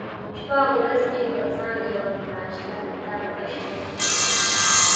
شپه او ورځ مې پر ځان يوه کړه چې دا کتاب بشپړ کړم.